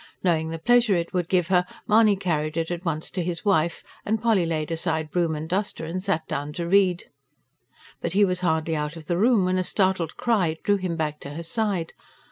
Knowing the pleasure it would give her, Mahony carried it at once to his wife; and Polly laid aside broom and duster and sat down to read. But he was hardly out of the room when a startled cry drew him back to her side.